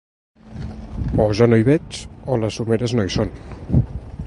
O jo no hi veig, o les someres no hi són.